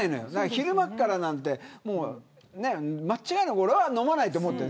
昼間からなんて、間違いなく俺は飲まないと思ってる。